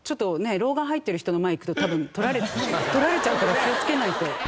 老眼入ってる人の前に行くと多分取られちゃうから気をつけないと。